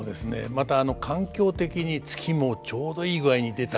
また環境的に月もちょうどいい具合に出たり。